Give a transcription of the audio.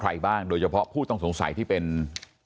กำลังรอบที่นี่นะครับตำรวจสภศรีสมเด็จ